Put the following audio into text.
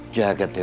jaga tewa batara